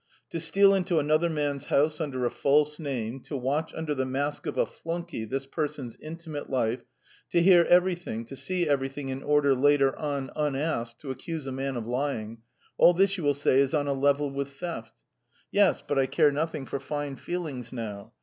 "To steal into another man's house under a false name, to watch under the mask of a flunkey this person's intimate life, to hear everything, to see everything in order later on, unasked, to accuse a man of lying all this, you will say, is on a level with theft. Yes, but I care nothing for fine feelings now.